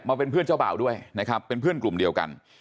เป็นเพื่อนเจ้าบ่าวด้วยนะครับเป็นเพื่อนกลุ่มเดียวกัน